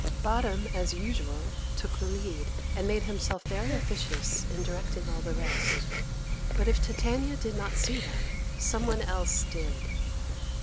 Bottom, as usual, took the lead, and made himself very officious in directing all the rest. But if Titania did not see them, someone else did.